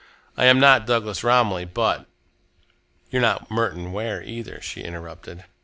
"I am not Douglas Romilly, but " "You're not Merton Ware, either," she interrupted.